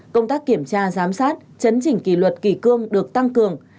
công tác kiểm tra giám sát chấn chỉnh kỳ luật kỳ cương được tăng cường